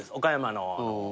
岡山の。